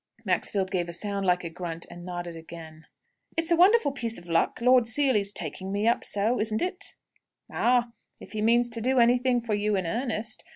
Maxfield gave a sound like a grunt, and nodded again. "It's a wonderful piece of luck, Lord Seely's taking me up so, isn't it?" "Ah! if he means to do anything for you in earnest.